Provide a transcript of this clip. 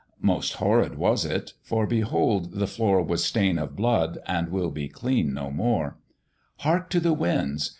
Most horrid was it: for, behold, the floor Has stain of blood, and will be clean no more: Hark to the winds!